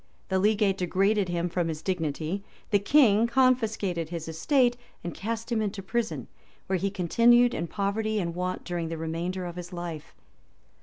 The legate degraded him from his dignity; the king confiscated his estate, and cast him into prison, where he continued in poverty and want during the remainder of his life.